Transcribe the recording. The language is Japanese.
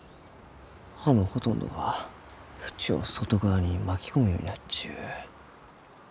葉のほとんどが縁を外側に巻き込むようになっちゅう。